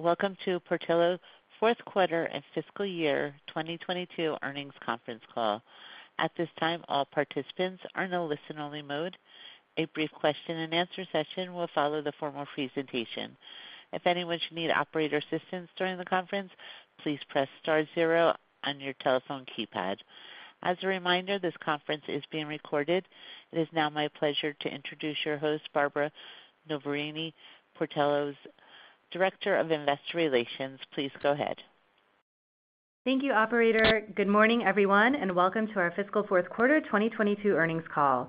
Welcome to Portillo's Fourth Quarter and Fiscal Year 2022 Earnings Conference Call. At this time, all participants are in a listen-only mode. A brief question and answer session will follow the formal presentation. If anyone should need operator assistance during the conference, please press star zero on your telephone keypad. As a reminder, this conference is being recorded. It is now my pleasure to introduce your host, Barbara Noverini, Portillo's Director of Investor Relations. Please go ahead. Thank you, operator. Welcome to our Fiscal Fourth Quarter 2022 Earnings Call.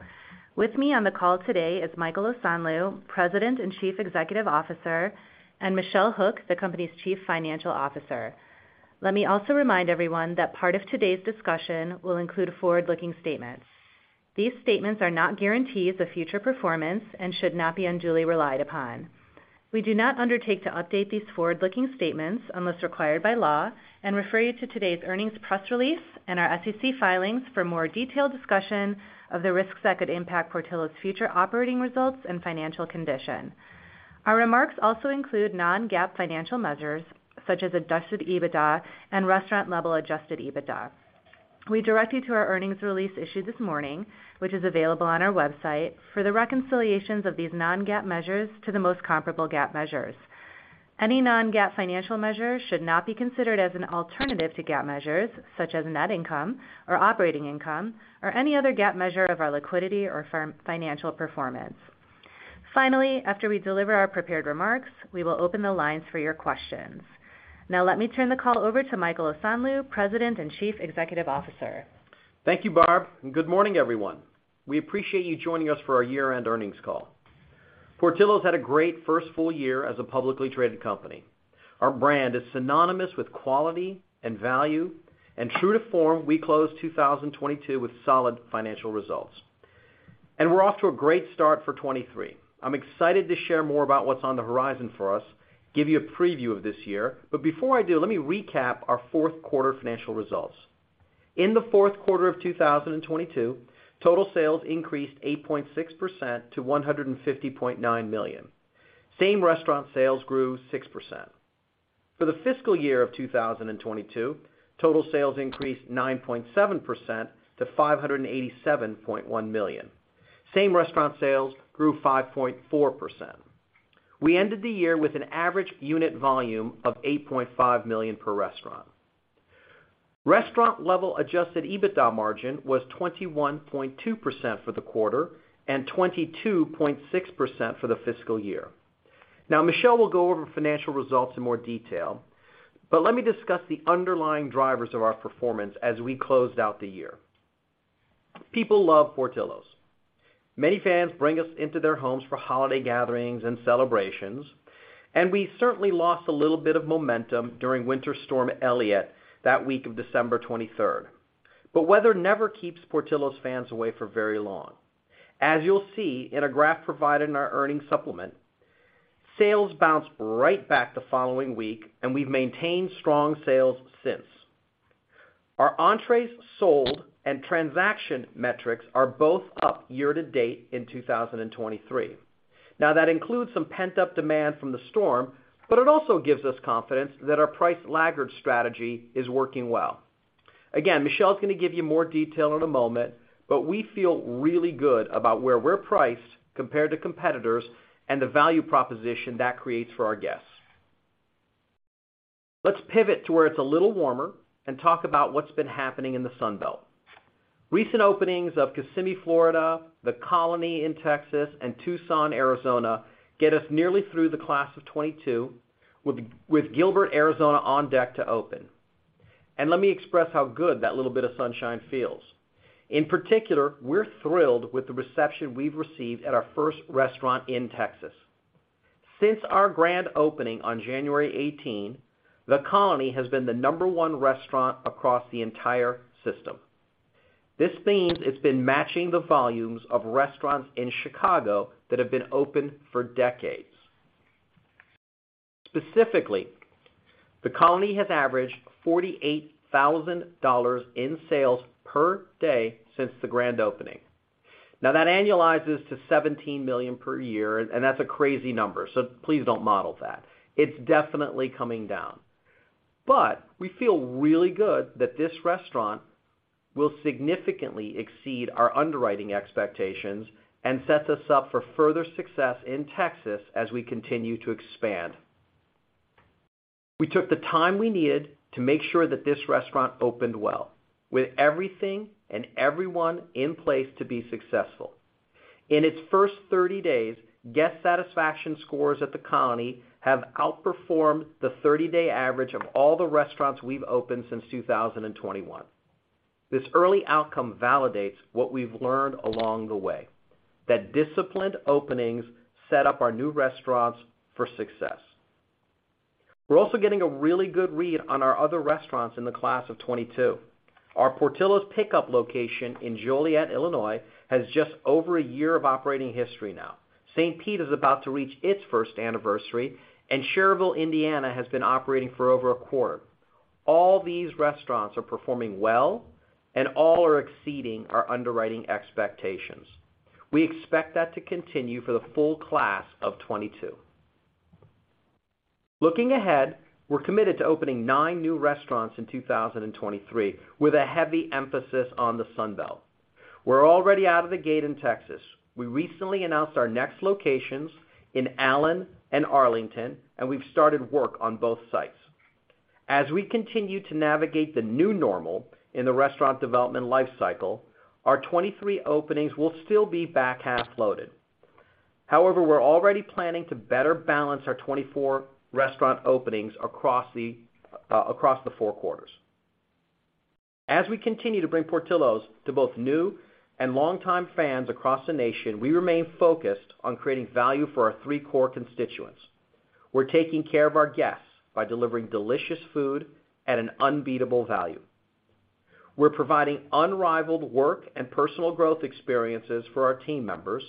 With me on the call today is Michael Osanloo, President and Chief Executive Officer, and Michelle Hook, the company's Chief Financial Officer. Let me also remind everyone that part of today's discussion will include forward-looking statements. These statements are not guarantees of future performance and should not be unduly relied upon. We do not undertake to update these forward-looking statements unless required by law and refer you to today's earnings press release and our SEC filings for more detailed discussion of the risks that could impact Portillo's future operating results and financial condition. Our remarks also include non-GAAP financial measures, such as adjusted EBITDA and Restaurant-Level adjusted EBITDA. We direct you to our earnings release issued this morning, which is available on our website for the reconciliations of these non-GAAP measures to the most comparable GAAP measures. Any non-GAAP financial measure should not be considered as an alternative to GAAP measures, such as net income or operating income, or any other GAAP measure of our liquidity or financial performance. Finally, after we deliver our prepared remarks, we will open the lines for your questions. Now let me turn the call over to Michael Osanloo, President and Chief Executive Officer. Thank you, Barb, and good morning, everyone. We appreciate you joining us for our year-end earnings call. Portillo's had a great first full year as a publicly traded company. Our brand is synonymous with quality and value, and true to form, we closed 2022 with solid financial results. We're off to a great start for 2023. I'm excited to share more about what's on the horizon for us, give you a preview of this year. Before I do, let me recap our fourth quarter financial results. In the fourth quarter of 2022, total sales increased 8.6% to $150.9 million. Same-restaurant sales grew 6%. For the fiscal year of 2022, total sales increased 9.7% to $587.1 million. Same-restaurant sales grew 5.4%. We ended the year with an average unit volume of $8.5 million per restaurant. Restaurant-Level adjusted EBITDA margin was 21.2% for the quarter and 22.6% for the fiscal year. Michelle will go over financial results in more detail, but let me discuss the underlying drivers of our performance as we closed out the year. People love Portillo's. Many fans bring us into their homes for holiday gatherings and celebrations, and we certainly lost a little bit of momentum during Winter Storm Elliott that week of December 23rd. Weather never keeps Portillo's fans away for very long. As you'll see in a graph provided in our earnings supplement, sales bounced right back the following week, and we've maintained strong sales since. Our entrees sold and transaction metrics are both up year to date in 2023. That includes some pent-up demand from the storm, but it also gives us confidence that our price laggard strategy is working well. Michelle is gonna give you more detail in a moment, but we feel really good about where we're priced compared to competitors and the value proposition that creates for our guests. Let's pivot to where it's a little warmer and talk about what's been happening in the Sun Belt. Recent openings of Kissimmee, The Colony in Texas, and Tucson, Arizona, get us nearly through the class of 2022 with Gilbert, Arizona, on deck to open. Let me express how good that little bit of sunshine feels. In particular, we're thrilled with the reception we've received at our first restaurant in Texas. Since our grand opening on January The Colony has been the number one restaurant across the entire system. This means it's been matching the volumes of restaurants in Chicago that have been open for decades. The Colony has averaged $48,000 in sales per day since the grand opening. That annualizes to $17 million per year, and that's a crazy number, so please don't model that. It's definitely coming down. We feel really good that this restaurant will significantly exceed our underwriting expectations and sets us up for further success in Texas as we continue to expand. We took the time we needed to make sure that this restaurant opened well with everything and everyone in place to be successful. In its first 30 days, guest satisfaction scores The Colony have outperformed the 30-day average of all the restaurants we've opened since 2021. This early outcome validates what we've learned along the way, that disciplined openings set up our new restaurants for success. We're also getting a really good read on our other restaurants in the class of 2022. Our Portillo's Pick Up location in Joliet, Illinois, has just over a year of operating history now. St. Pete is about to reach its first anniversary, and Schererville, Indiana, has been operating for over a quarter. All these restaurants are performing well, and all are exceeding our underwriting expectations. We expect that to continue for the full class of 2022. Looking ahead, we're committed to opening nine new restaurants in 2023, with a heavy emphasis on the Sun Belt. We're already out of the gate in Texas. We recently announced our next locations in Allen and Arlington, and we've started work on both sites. As we continue to navigate the new normal in the restaurant development lifecycle, our 23 openings will still be back-half loaded. We're already planning to better balance our 24 restaurant openings across the four quarters. As we continue to bring Portillo's to both new and longtime fans across the nation, we remain focused on creating value for our three core constituents. We're taking care of our guests by delivering delicious food at an unbeatable value. We're providing unrivaled work and personal growth experiences for our team members.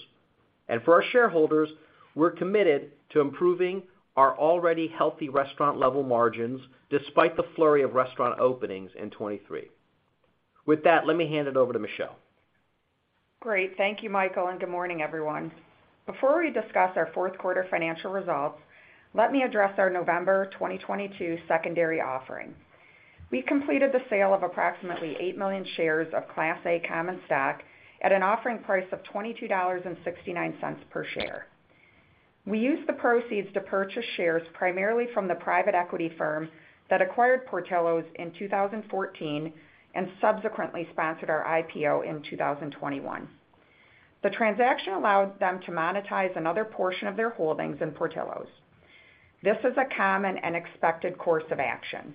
For our shareholders, we're committed to improving our already healthy restaurant-level margins despite the flurry of restaurant openings in 2023. With that, let me hand it over to Michelle. Great. Thank you, Michael, and good morning, everyone. Before we discuss our fourth quarter financial results, let me address our November 2022 secondary offering. We completed the sale of approximately 8 million shares of Class A common stock at an offering price of $22.69 per share. We used the proceeds to purchase shares primarily from the private equity firm that acquired Portillo's in 2014, and subsequently sponsored our IPO in 2021. The transaction allowed them to monetize another portion of their holdings in Portillo's. This is a common and expected course of action.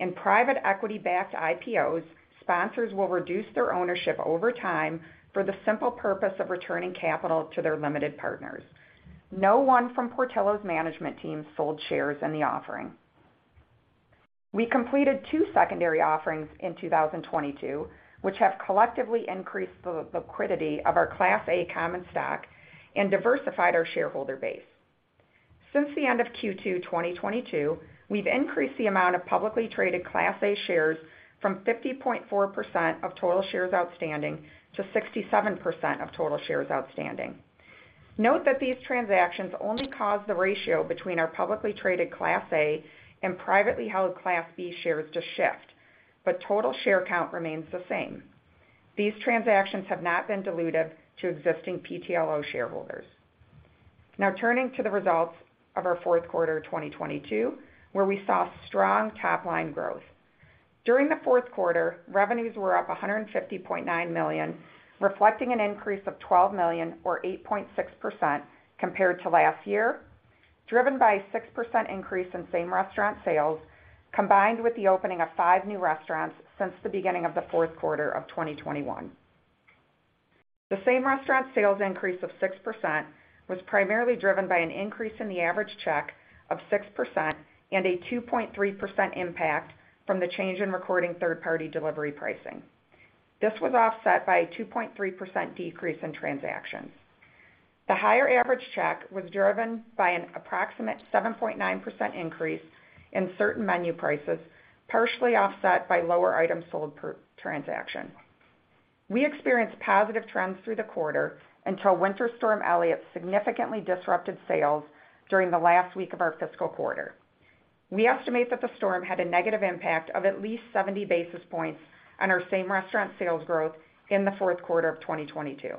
In private equity-backed IPOs, sponsors will reduce their ownership over time for the simple purpose of returning capital to their limited partners. No one from Portillo's management team sold shares in the offering. We completed two secondary offerings in 2022, which have collectively increased the liquidity of our Class A common stock and diversified our shareholder base. Since the end of Q2 2022, we've increased the amount of publicly traded Class A shares from 50.4% of total shares outstanding to 67% of total shares outstanding. Note that these transactions only cause the ratio between our publicly traded Class A and privately held Class B shares to shift, but total share count remains the same. These transactions have not been dilutive to existing PTLO shareholders. Turning to the results of our fourth quarter 2022, where we saw strong top line growth. During the fourth quarter, revenues were up $150.9 million, reflecting an increase of $12 million or 8.6% compared to last year, driven by a 6% increase in same-restaurant sales, combined with the opening of five new restaurants since the beginning of the fourth quarter of 2021. The same-restaurant sales increase of 6% was primarily driven by an increase in the average check of 6% and a 2.3% impact from the change in recording third-party delivery pricing. This was offset by a 2.3% decrease in transactions. The higher average check was driven by an approximate 7.9% increase in certain menu prices, partially offset by lower items sold per transaction. We experienced positive trends through the quarter until Winter Storm Elliott significantly disrupted sales during the last week of our fiscal quarter. We estimate that the storm had a negative impact of at least 70 basis points on our same-restaurant sales growth in the fourth quarter of 2022.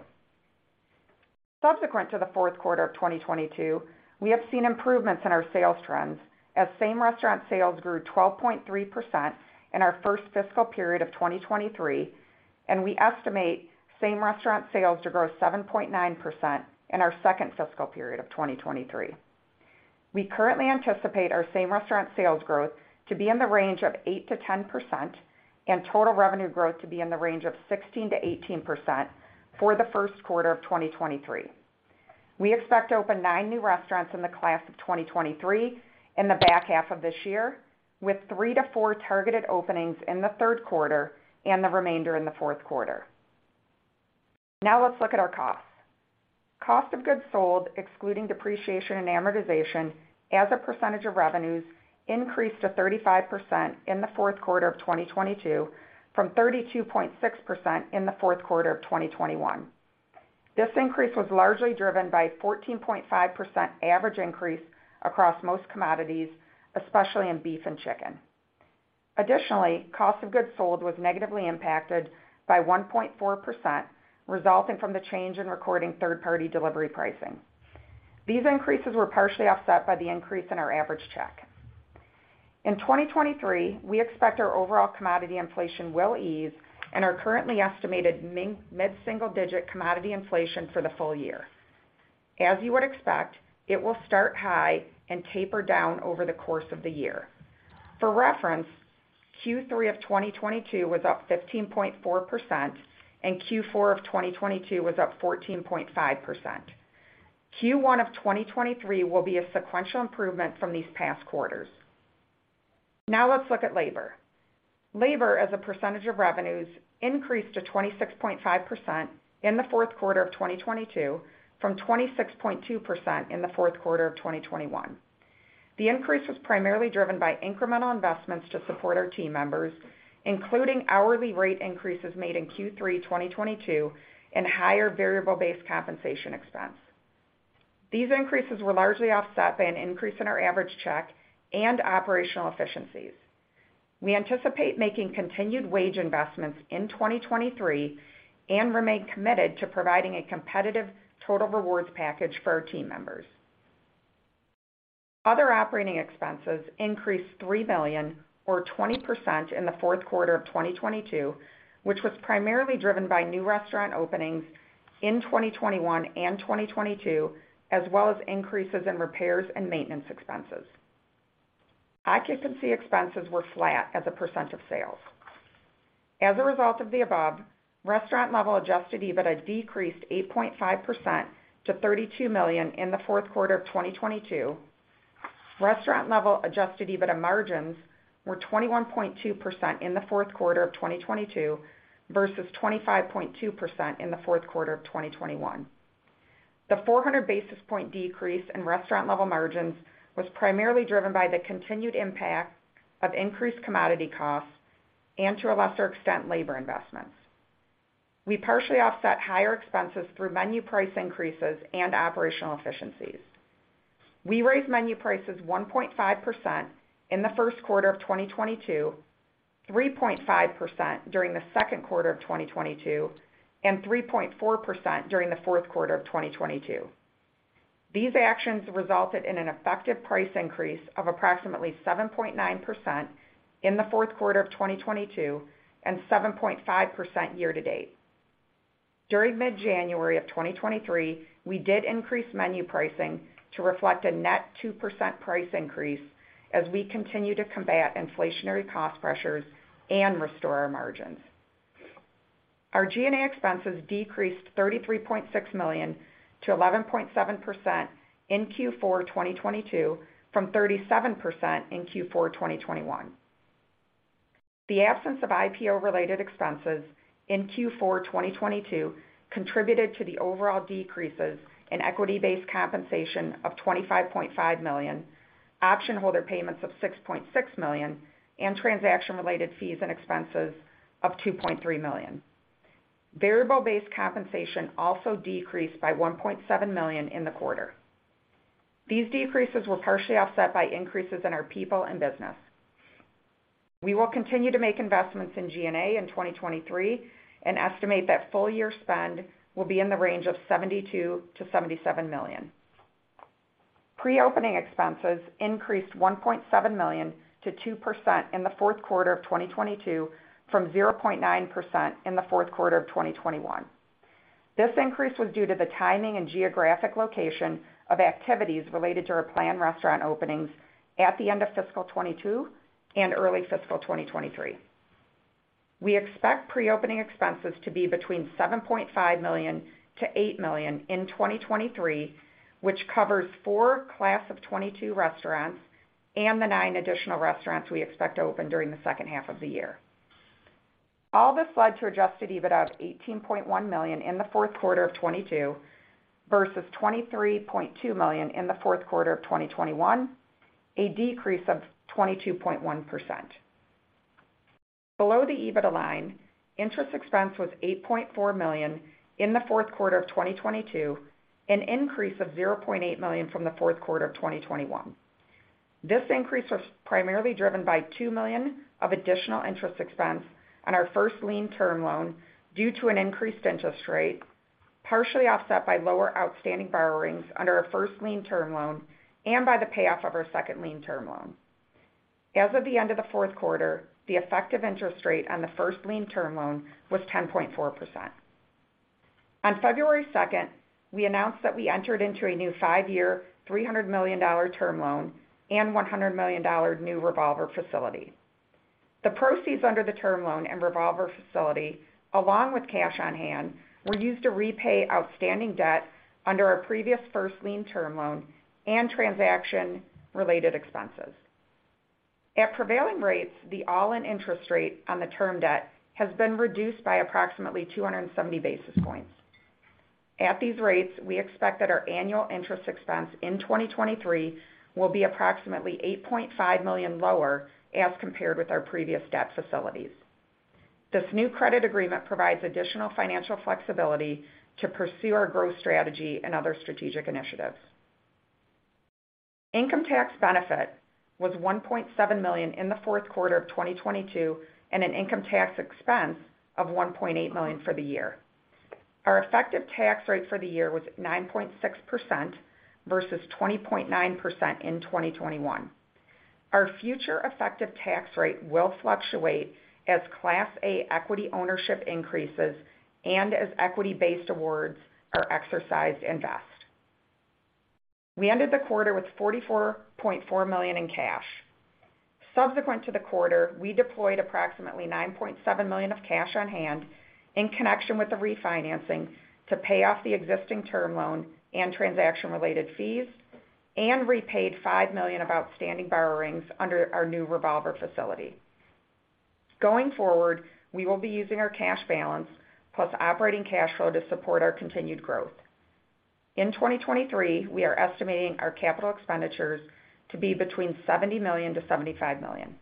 Subsequent to the fourth quarter of 2022, we have seen improvements in our sales trends as same-restaurant sales grew 12.3% in our first fiscal period of 2023, and we estimate same-restaurant sales to grow 7.9% in our second fiscal period of 2023. We currently anticipate our same-restaurant sales growth to be in the range of 8%-10% and total revenue growth to be in the range of 16%-18% for the first quarter of 2023. We expect to open nine new restaurants in the class of 2023 in the back half of this year, with three to four targeted openings in the third quarter and the remainder in the fourth quarter. Let's look at our costs. Cost of goods sold, excluding depreciation and amortization as a percentage of revenues, increased to 35% in the fourth quarter of 2022 from 32.6% in the fourth quarter of 2021. This increase was largely driven by 14.5% average increase across most commodities, especially in beef and chicken. Cost of goods sold was negatively impacted by 1.4%, resulting from the change in recording third-party delivery pricing. These increases were partially offset by the increase in our average check. In 2023, we expect our overall commodity inflation will ease and are currently estimating mid-single digit commodity inflation for the full year. As you would expect, it will start high and taper down over the course of the year. For reference, Q3 of 2022 was up 15.4%, and Q4 of 2022 was up 14.5%. Q1 of 2023 will be a sequential improvement from these past quarters. Now let's look at labor. Labor as a percentage of revenues increased to 26.5% in the fourth quarter of 2022 from 26.2% in the fourth quarter of 2021. The increase was primarily driven by incremental investments to support our team members, including hourly rate increases made in Q3 2022 and higher variable-based compensation expense. These increases were largely offset by an increase in our average check and operational efficiencies. We anticipate making continued wage investments in 2023 and remain committed to providing a competitive total rewards package for our team members. Other operating expenses increased $3 million or 20% in the fourth quarter of 2022, which was primarily driven by new restaurant openings in 2021 and 2022, as well as increases in repairs and maintenance expenses. Occupancy expenses were flat as a percent of sales. As a result of the above, Restaurant-Level adjusted EBITDA decreased 8.5% to $32 million in the fourth quarter of 2022. Restaurant-Level adjusted EBITDA margins were 21.2% in the fourth quarter of 2022 versus 25.2% in the fourth quarter of 2021. The 400 basis point decrease in Restaurant-Level margins was primarily driven by the continued impact of increased commodity costs and to a lesser extent, labor investments. We partially offset higher expenses through menu price increases and operational efficiencies. We raised menu prices 1.5% in the first quarter of 2022, 3.5% during the second quarter of 2022, and 3.4% during the fourth quarter of 2022. These actions resulted in an effective price increase of approximately 7.9% in the fourth quarter of 2022 and 7.5% year to date. During mid-January of 2023, we did increase menu pricing to reflect a net 2% price increase as we continue to combat inflationary cost pressures and restore our margins. Our G&A expenses decreased $33.6 million to 11.7% in Q4 2022 from 37% in Q4 2021. The absence of IPO related expenses in Q4 2022 contributed to the overall decreases in equity-based compensation of $25.5 million, option holder payments of $6.6 million, and transaction related fees and expenses of $2.3 million. Variable-based compensation also decreased by $1.7 million in the quarter. These decreases were partially offset by increases in our people and business. We will continue to make investments in G&A in 2023 and estimate that full year spend will be in the range of $72 million-$77 million. Pre-opening expenses increased $1.7 million to 2% in the fourth quarter of 2022 from 0.9% in the fourth quarter of 2021. This increse was due to the timing and geographic location of activities related to our planned restaurant openings at the end of fiscal 2022 and early fiscal 2023. We expect pre-opening expenses to be between $7.5 million-$8 million in 2023, which covers 4 Class of 2022 restaurants and the 9 additional restaurants we expect to open during the second half of the year. All this led to adjusted EBITDA of $18.1 million in the fourth quarter of 2022 versus $23.2 million in the fourth quarter of 2021, a decrease of 22.1%. Below the EBITDA line, interest expense was $8.4 million in the fourth quarter of 2022, an increase of $0.8 million from the fourth quarter of 2021. This incease was primarily driven by $2 million of additional interest expense on our first lien term loan due to an increased interest rate, partially offset by lower outstanding borrowings under our first lien term loan and by the payoff of our second lien term loan. As of the end of the fourth quarter, the effective interest rate on the first lien term loan was 10.4%. On February 2nd, we announced that we entered into a new five-year $300 million term loan and $100 million new revolver facility. The proceeds under the term loan and revolver facility, along with cash on hand, were used to repay outstanding debt under our previous first lien term loan and transaction related expenses. At prevailing rates, the all-in interest rate on the term debt has been reduced by approximately 270 basis points. At these rates, we expect that our annual interest expense in 2023 will be approximately $8.5 million lower as compared with our previous debt facilities. This new credit agreement provides additional financial flexibility to pursue our growth strategy and other strategic initiatives. Income tax benefit was $1.7 million in Q4 2022 and an income tax expense of $1.8 million for the year. Our effective tax rate for the year was 9.6% versus 20.9% in 2021. Our future effective tax rate will fluctuate as Class A equity ownership increases and as equity-based awards are exercised and vest. We ended the quarter with $44.4 million in cash. Subsequent to the quarter, we deployed approximately $9.7 million of cash on hand in connection with the refinancing to pay off the existing term loan and transaction related fees and repaid $5 million of outstanding borrowings under our new revolver facility. Going forward, we will be using our cash balance plus operating cash flow to support our continued growth. In 2023, we are estimating our capital expenditures to be between $70 million-$75 million.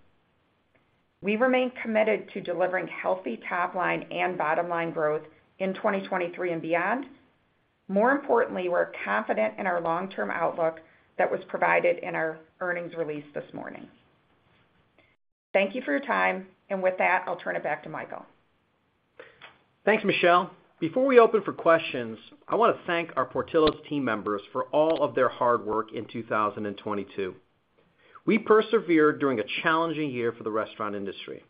We remain committed to delivering healthy top line and bottom line growth in 2023 and beyond. More importantly, we're confident in our long-term outlook that was provided in our earnings release this morning. Thank you for your time. With that, I'll turn it back to Michael. Thanks, Michelle. Before we open for questions, I want to thank our Portillo's team members for all of their hard work in 2022. We persevered during a challenging year for the restaurant industry.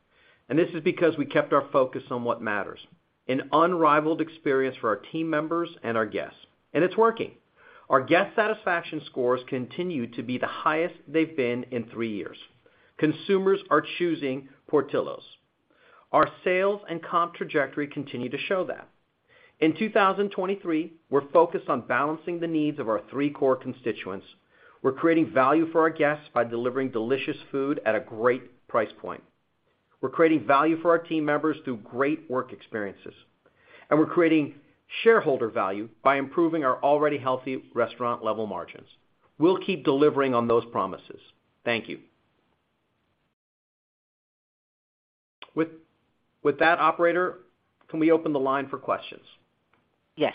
This is because we kept our focus on what matters, an unrivaled experience for our team members and our guests. It's working. Our guest satisfaction scores continue to be the highest they've been in three years. Consumers are choosing Portillo's. Our sales and comp trajectory continue to show that. In 2023, we're focused on balancing the needs of our three core constituents. We're creating value for our guests by delivering delicious food at a great price point. We're creating value for our team members through great work experiences. We're creating shareholder value by improving our already healthy restaurant level margins. We'll keep delivering on those promises. Thank you. With that operator, can we open the line for questions? Yes.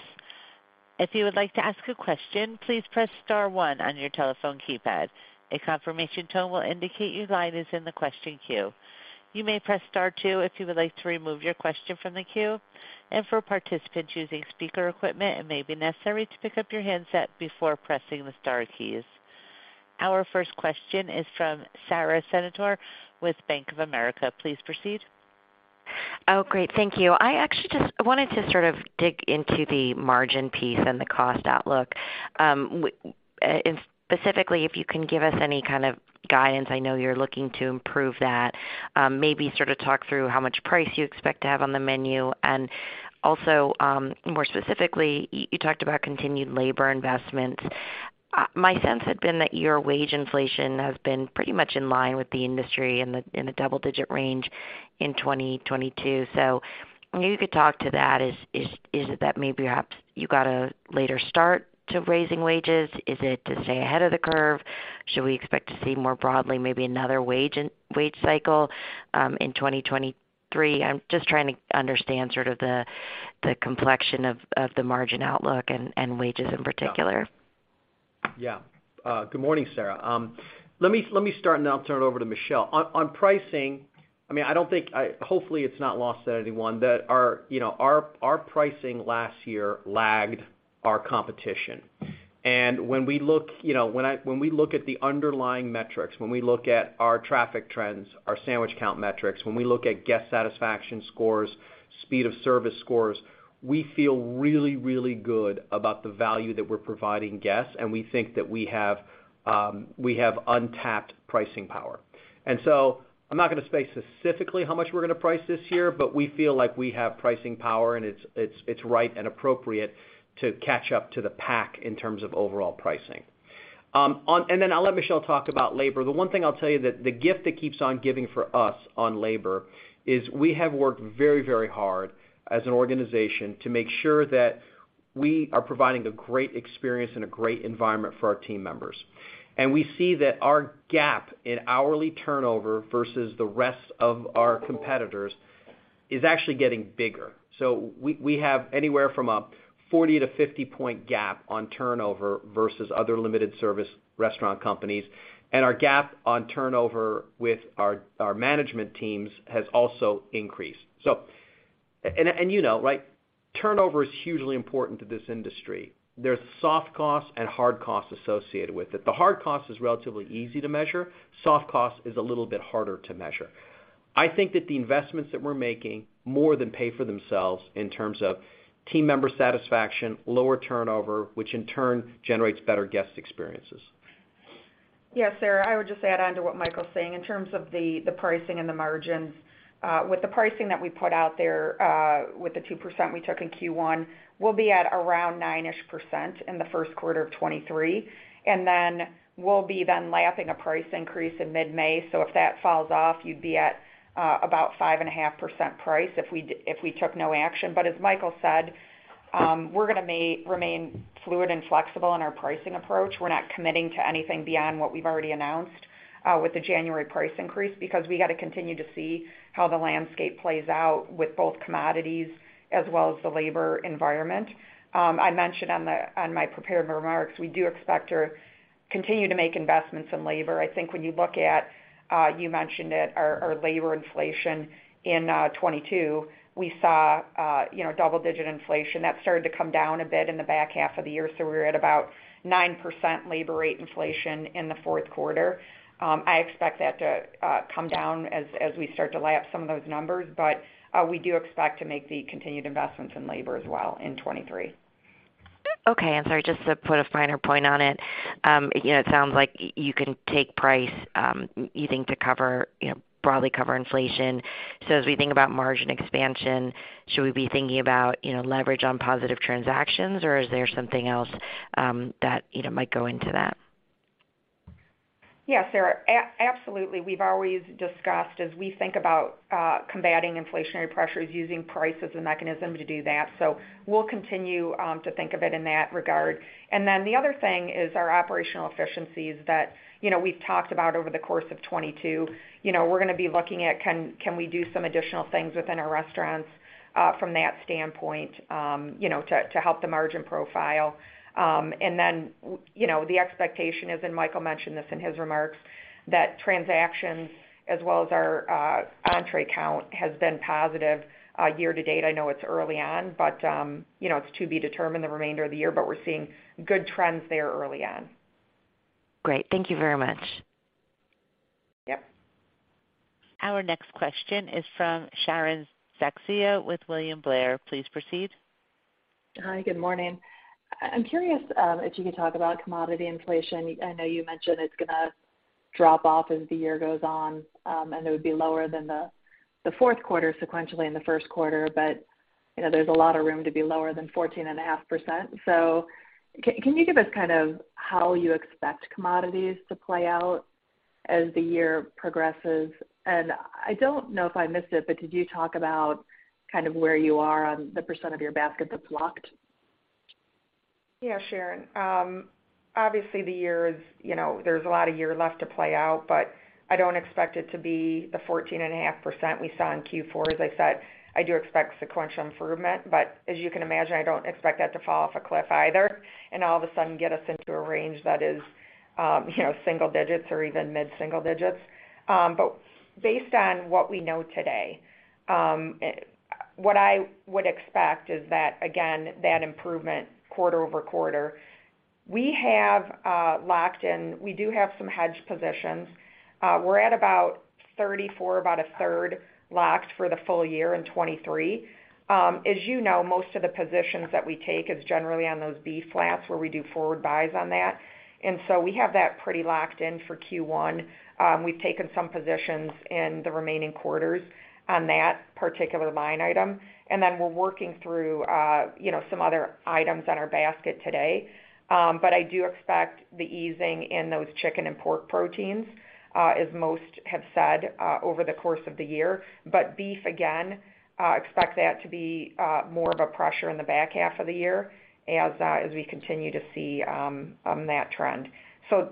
If you would like to ask a question, please press star one on your telephone keypad. A confirmation tone will indicate your line is in the question queue. You may press star two if you would like to remove your question from the queue. For participants using speaker equipment, it may be necessary to pick up your handset before pressing the star keys. Our first question is from Sara Senatore with Bank of America. Please proceed. Oh, great. Thank you. I actually just wanted to sort of dig into the margin piece and the cost outlook. Specifically, if you can give us any kind of guidance, I know you're looking to improve that, maybe sort of talk through how much price you expect to have on the menu. More specifically, you talked about continued labor investments. My sense had been that your wage inflation has been pretty much in line with the industry in the, in the double-digit range in 2022. If you could talk to that. Is it that maybe you got a later start to raising wages? Is it to stay ahead of the curve? Should we expect to see more broadly maybe another wage cycle in 2023? I'm just trying to understand sort of the complexion of the margin outlook and wages in particular. Yeah. Good morning, Sara. Let me start, and then I'll turn it over to Michelle. On, on pricing, I mean, I don't think. Hopefully, it's not lost to anyone that our, you know, our pricing last year lagged our competition. When we look, you know, when we look at the underlying metrics, when we look at our traffic trends, our sandwich count metrics, when we look at guest satisfaction scores, speed of service scores, we feel really, really good about the value that we're providing guests, and we think that we have untapped pricing power. So I'm not gonna say specifically how much we're gonna price this year, but we feel like we have pricing power, and it's, it's right and appropriate to catch up to the pack in terms of overall pricing. On. I'll let Michelle talk about labor. The one thing I'll tell you that the gift that keeps on giving for us on labor is we have worked very, very hard as an organization to make sure that we are providing a great experience and a great environment for our team members. We see that our gap in hourly turnover versus the rest of our competitors is actually getting bigger. We have anywhere from a 40-50 point gap on turnover versus other limited service restaurant companies, and our gap on turnover with our management teams has also increased. You know, right? Turnover is hugely important to this industry. There's soft costs and hard costs associated with it. The hard cost is relatively easy to measure. Soft cost is a little bit harder to measure. I think that the investments that we're making more than pay for themselves in terms of team member satisfaction, lower turnover, which in turn generates better guest experiences. Yeah, Sara. I would just add on to what Michael's saying. In terms of the pricing and the margins, with the pricing that we put out there, with the 2% we took in Q1, we'll be at around 9-ish% in the first quarter of 2023, and then we'll be then lapping a price increase in mid-May. If that falls off, you'd be at about 5.5% price if we took no action. As Michael said, we're gonna remain fluid and flexible in our pricing approach. We're not committing to anything beyond what we've already announced with the January price increase because we got to continue to see how the landscape plays out with both commodities as well as the labor environment. I mentioned on my prepared remarks, we do expect to continue to make investments in labor. I think when you look at, you mentioned it, our labor inflation in 2022, we saw, you know, double-digit inflation. That started to come down a bit in the back half of the year, so we're at about 9% labor rate inflation in the fourth quarter. I expect that to come down as we start to lap some of those numbers. We do expect to make the continued investments in labor as well in 2023. Okay. Sorry, just to put a finer point on it. You know, it sounds like you can take price, you think to cover, you know, broadly cover inflation. As we think about margin expansion, should we be thinking about, you know, leverage on positive transactions, or is there something else, that, you know, might go into that? Yes, Sara, absolutely. We've always discussed, as we think about, combating inflationary pressures using price as a mechanism to do that. We'll continue to think of it in that regard. The other thing is our operational efficiencies that, you know, we've talked about over the course of 2022. You know, we're gonna be looking at can we do some additional things within our restaurants, from that standpoint, you know, to help the margin profile. You know, the expectation is, and Michael mentioned this in his remarks, that transactions as well as our entree count has been positive, year to date. I know it's early on, but, you know, it's to be determined the remainder of the year, but we're seeing good trends there early on. Great. Thank you very much. Yep. Our next question is from Sharon Zackfia with William Blair. Please proceed. Hi, good morning. I'm curious if you could talk about commodity inflation. I know you mentioned it's gonna drop off as the year goes on, and it would be lower than the fourth quarter sequentially in the first quarter, but, you know, there's a lot of room to be lower than 14.5%. Can you give us kind of how you expect commodities to play out as the year progresses? I don't know if I missed it, but did you talk about kind of where you are on the percent of your basket that's locked? Yeah, Sharon. Obviously, the year is, you know, there's a lot of year left to play out, but I don't expect it to be the 14.5% we saw in Q4. As I said, I do expect sequential improvement, but as you can imagine, I don't expect that to fall off a cliff either and all of a sudden get us into a range that is, you know, single digits or even mid-single digits. Based on what we know today, what I would expect is that, again, that improvement quarter-over-quarter. We have locked in. We do have some hedge positions. We're at about 34, about a third locked for the full year in 2023. As you know, most of the positions that we take is generally on those flat prices where we do forward buys on that. We have that pretty locked in for Q1. We've taken some positions in the remaining quarters on that particular line item. We're working through, you know, some other items on our basket today. I do expect the easing in those chicken and pork proteins, as most have said, over the course of the year. Beef, again, expect that to be more of a pressure in the back half of the year as we continue to see that trend.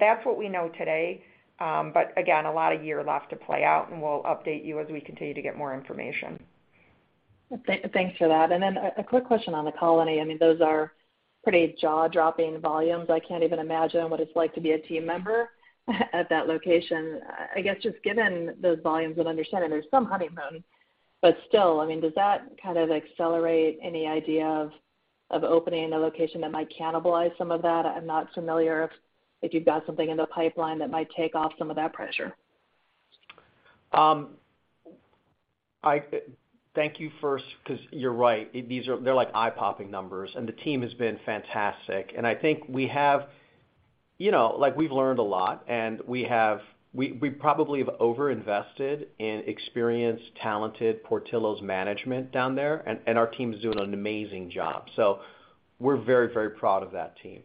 That's what we know today, but again, a lot of year left to play out, and we'll update you as we continue to get more information. Thanks for that. A quick question The Colony. i mean, those are pretty jaw-dropping volumes. I can't even imagine what it's like to be a team member at that location. I guess, just given those volumes and understanding there's some honeymoon, still, I mean, does that kind of accelerate any idea of opening a location that might cannibalize some of that? I'm not familiar if you've got something in the pipeline that might take off some of that pressure. Thank you first because you're right. They're like eye-popping numbers, and the team has been fantastic. I think we have... You know, like, we've learned a lot, and we probably have overinvested in experienced, talented Portillo's management down there, and our team is doing an amazing job. We're very, very proud of that team.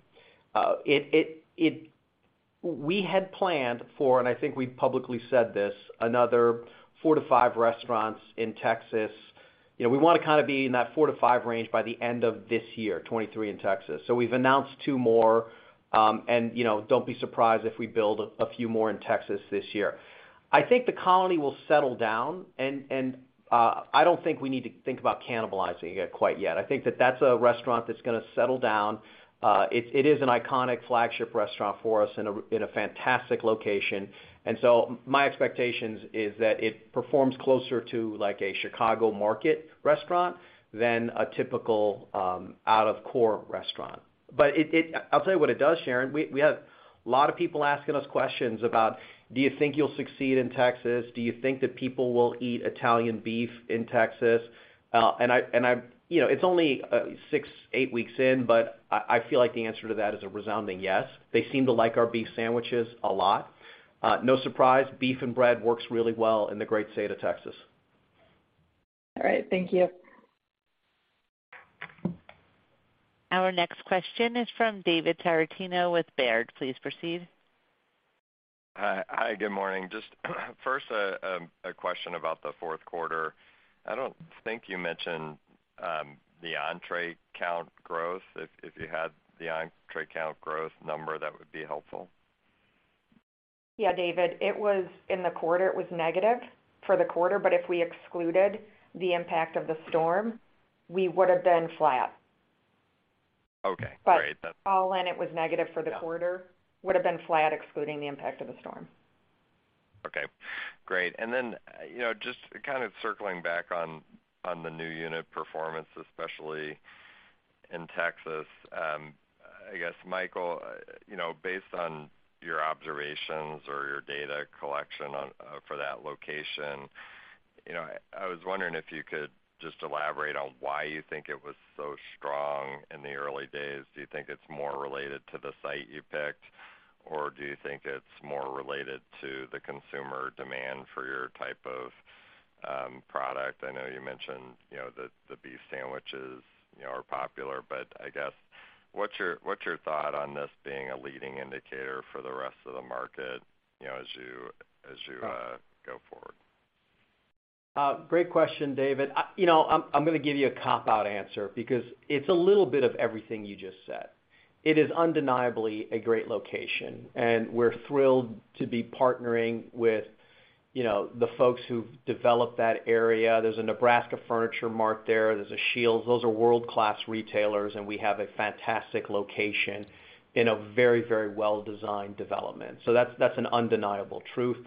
We had planned for, and I think we publicly said this, another four to five restaurants in Texas. You know, we wanna kind of be in that four to five range by the end of this year, 2023 in Texas. We've announced two more, and, you know, don't be surprised if we build a few more in Texas this year. I The Colony will settle down, and I don't think we need to think about cannibalizing it quite yet. I think that's a restaurant that's gonna settle down. It is an iconic flagship restaurant for us in a fantastic location. My expectations is that it performs closer to, like, a Chicago market restaurant than a typical out-of-core restaurant. But I'll tell you what it does, Sharon. We have a lot of people asking us questions about, "Do you think you'll succeed in Texas? Do you think that people will eat Italian beef in Texas?" You know, it's only six, eight weeks in, but I feel like the answer to that is a resounding yes. They seem to like our beef sandwiches a lot. No surprise, beef and bread works really well in the great state of Texas. All right. Thank you. Our next question is from David Tarantino with Baird. Please proceed. Hi. Good morning. Just first, a question about the fourth quarter. I don't think you mentioned the entree count growth. If you had the entree count growth number, that would be helpful. Yeah, David. It was in the quarter, it was negative for the quarter, but if we excluded the impact of the storm, we would have been flat. Okay. Great. All in, it was negative for the quarter. Would have been flat excluding the impact of the storm. Okay, great. Then, you know, just kind of circling back on the new unit performance, especially in Texas. I guess, Michael, you know, based on your observations or your data collection on, for that location, you know, I was wondering if you could just elaborate on why you think it was so strong in the early days. Do you think it's more related to the site you picked, or do you think it's more related to the consumer demand for your type of Product. I know you mentioned, you know, the beef sandwiches, you know, are popular, I guess, what's your thought on this being a leading indicator for the rest of the market, you know, as you go forward? Right Great question, David. you know, I'm gonna give you a cop-out answer because it's a little bit of everything you just said. It is undeniably a great location, and we're thrilled to be partnering with, you know, the folks who've developed that area. There's a Nebraska Furniture Mart there. There's a SCHEELS. Those are world-class retailers, and we have a fantastic location in a very, very well-designed development. that's an undeniable truth.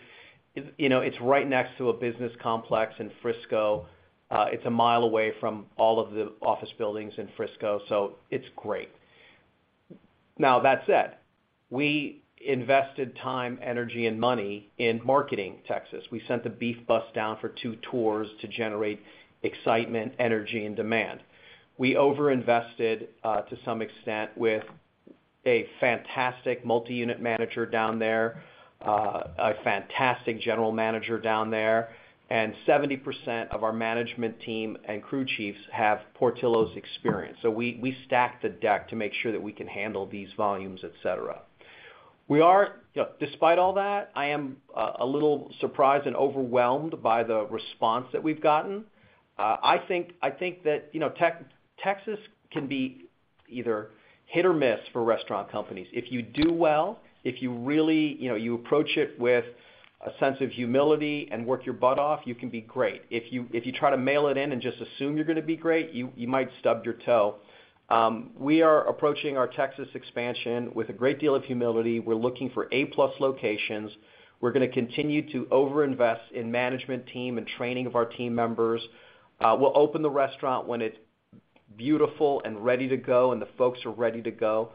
You know, it's right next to a business complex in Frisco. it's a mile away from all of the office buildings in Frisco, it's great. Now that said, we invested time, energy, and money in marketing Texas. We sent the Beef Bus down for two tours to generate excitement, energy, and demand. We over-invested to some extent with a fantastic multi-unit manager down there, a fantastic general manager down there, and 70% of our management team and crew chiefs have Portillo's experience. We stacked the deck to make sure that we can handle these volumes, et cetera. You know, despite all that, I am a little surprised and overwhelmed by the response that we've gotten. I think that, you know, Texas can be either hit or miss for restaurant companies. If you do well, You know, you approach it with a sense of humility and work your butt off, you can be great. If you try to mail it in and just assume you're gonna be great, you might stub your toe. We are approaching our Texas expansion with a great deal of humility. We're looking for A-plus locations. We're gonna continue to over-invest in management team and training of our team members. We'll open the restaurant when it's beautiful and ready to go, and the folks are ready to go.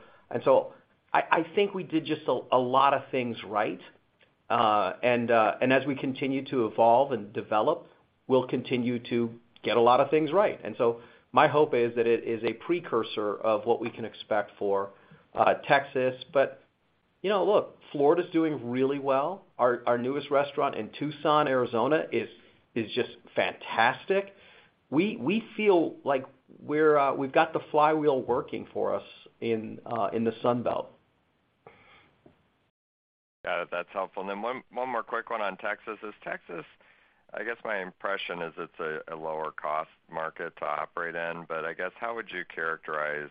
I think we did just a lot of things right. As we continue to evolve and develop, we'll continue to get a lot of things right. My hope is that it is a precursor of what we can expect for Texas. You know, look, Florida's doing really well. Our newest restaurant in Tucson, Arizona is just fantastic. We feel like we're, we've got the flywheel working for us in the Sun Belt. Got it. That's helpful. Then one more quick one on Texas, I guess my impression is it's a lower cost market to operate in. I guess, how would you characterize,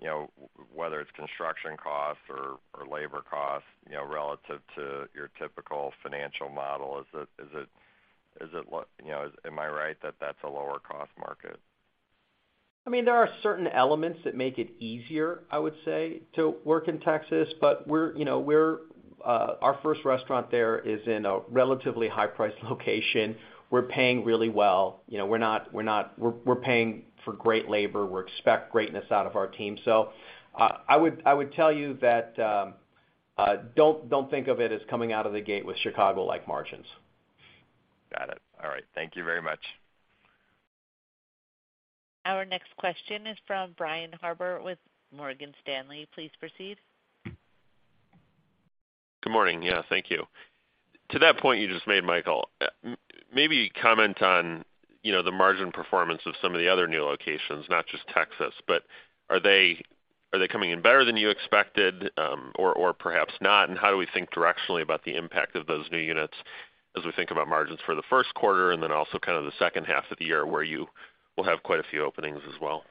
you know, whether it's construction costs or labor costs, you know, relative to your typical financial model? Is it, you know, am I right that that's a lower cost market? I mean, there are certain elements that make it easier, I would say, to work in Texas. We're, you know, our first restaurant there is in a relatively high priced location. We're paying really well. You know, we're paying for great labor. We're expect greatness out of our team. I would tell you that, don't think of it as coming out of the gate with Chicago-like margins. Got it. All right. Thank you very much. Our next question is from Brian Harbour with Morgan Stanley. Please proceed. Good morning. Yeah, thank you. To that point you just made, Michael, maybe comment on, you know, the margin performance of some of the other new locations, not just Texas. Are they coming in better than you expected, or perhaps not? How do we think directionally about the impact of those new units as we think about margins for the first quarter also kind of the second half of the year where you will have quite a few openings as well?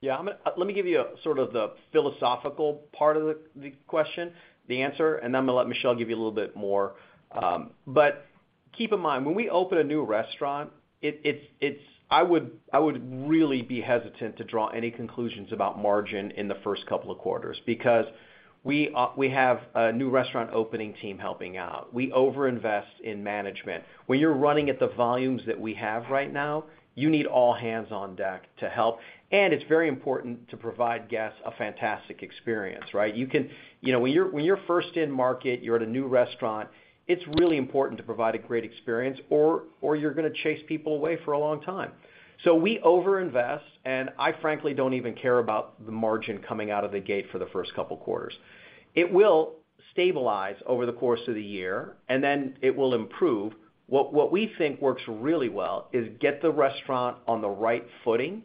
Yeah. Let me give you a sort of the philosophical part of the question, the answer, and then I'm gonna let Michelle give you a little bit more. Keep in mind, when we open a new restaurant, I would really be hesitant to draw any conclusions about margin in the first couple of quarters because we have a new restaurant opening team helping out. We over-invest in management. When you're running at the volumes that we have right now, you need all hands on deck to help. It's very important to provide guests a fantastic experience, right? You know, when you're first in market, you're at a new restaurant, it's really important to provide a great experience or you're gonna chase people away for a long time. We over-invest, and I frankly don't even care about the margin coming out of the gate for the first two quarters. It will stabilize over the course of the year, and then it will improve. What we think works really well is get the restaurant on the right footing,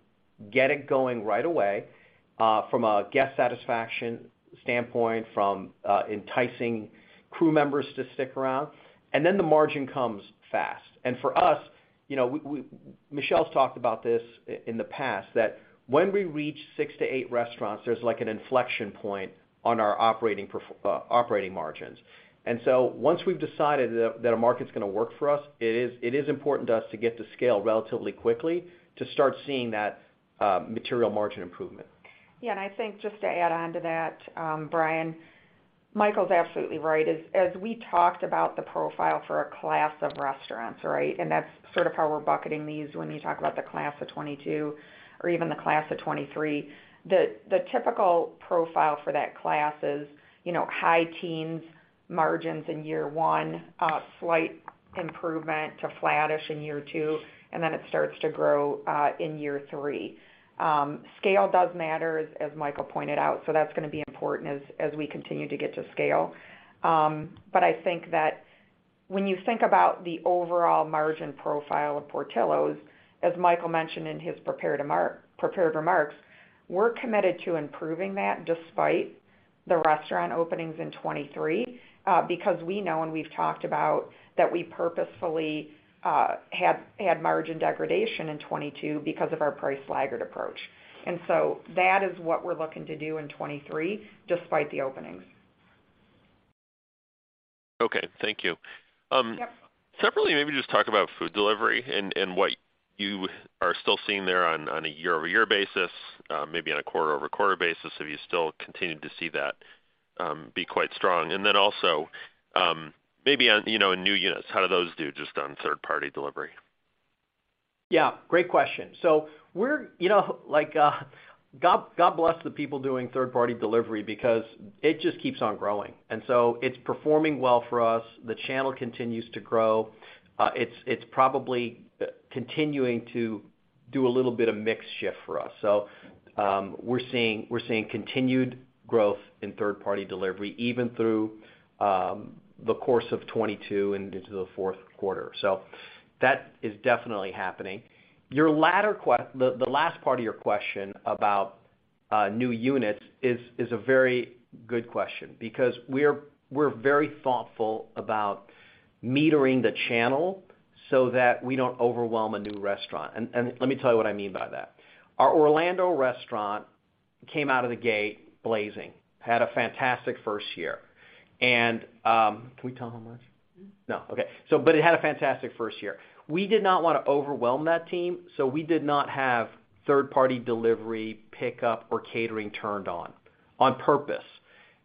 get it going right away, from a guest satisfaction standpoint, from enticing crew members to stick around, and then the margin comes fast. For us, you know, Michelle's talked about this in the past, that when we reach six to eight restaurants, there's like an inflection point on our operating margins. Once we've decided that a market's gonna work for us, it is important to us to get to scale relatively quickly to start seeing that material margin improvement. I think just to add on to that, Brian, Michael's absolutely right. As we talked about the profile for a class of restaurants, right? That's sort of how we're bucketing these when you talk about the class of 2022 or even the class of 2023. The typical profile for that class is, you know, high teens margins in year one, slight improvement to flattish in year two, then it starts to grow in year three. Scale does matter, as Michael pointed out, that's gonna be important as we continue to get to scale. I think that. When you think about the overall margin profile of Portillo's, as Michael mentioned in his prepared remarks, we're committed to improving that despite the restaurant openings in 2023, because we know and we've talked about that we purposefully had margin degradation in 2022 because of our price-lagged approach. That is what we're looking to do in 2023 despite the openings. Okay. Thank you. Yep. Separately, maybe just talk about food delivery and what you are still seeing there on a year-over-year basis, maybe on a quarter-over-quarter basis, if you still continue to see that, be quite strong. Maybe on, you know, in new units, how do those do just on third-party delivery? Yeah, great question. We're, you know, like, God bless the people doing third-party delivery because it just keeps on growing. It's performing well for us. The channel continues to grow. It's probably continuing to do a little bit of mix shift for us. We're seeing continued growth in third-party delivery even through the course of 2022 and into the fourth quarter. That is definitely happening. The last part of your question about new units is a very good question because we're very thoughtful about metering the channel so that we don't overwhelm a new restaurant. Let me tell you what I mean by that. Our Orlando restaurant came out of the gate blazing, had a fantastic first year. Can we tell how much? No. Okay. It had a fantastic first year. We did not wanna overwhelm that team, so we did not have third-party delivery, pickup, or catering turned on purpose.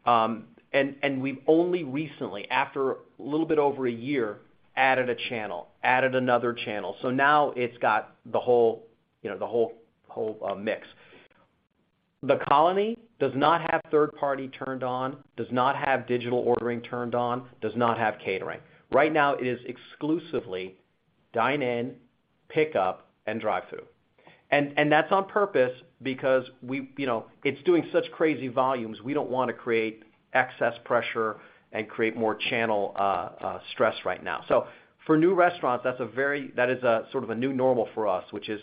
We've only recently, after a little bit over a year, added a channel, added another channel. Now it's got the whole, you know, the whole The Colony does not have third-party turned on, does not have digital ordering turned on, does not have catering. Right now it is exclusively dine-in, pickup, and drive-through. That's on purpose because you know, it's doing such crazy volumes, we don't wanna create excess pressure and create more channel stress right now. For new restaurants, that is a sort of a new normal for us, which is